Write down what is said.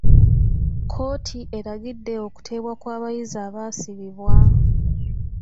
kkooti eragidde okuteebwa kw'abayizi abaasibibwa.